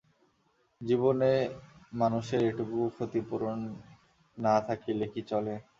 জীবনে মানুষের এটুকু ক্ষতি পূরণ না থাকিলে কি চলে!